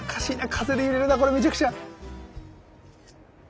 風で揺れるなこれめちゃくちゃ。